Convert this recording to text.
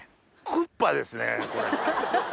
クッパですねこれ。